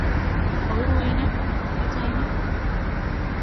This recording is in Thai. เขารวยนะ พอใจไหม